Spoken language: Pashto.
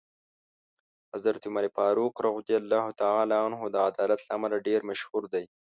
حضرت عمر فاروق رض د عدالت له امله ډېر مشهور دی.